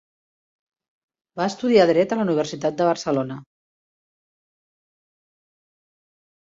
Va estudiar Dret a la Universitat de Barcelona.